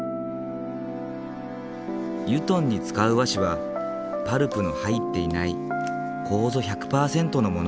油団に使う和紙はパルプの入っていない楮１００％のもの。